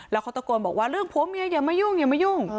แล้วเขาตะโกนบอกว่าเรื่องผัวเมียอย่ามายุ่งอย่ามายุ่ง